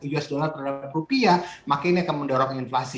us dollar terhadap rupiah maka ini akan mendorong inflasi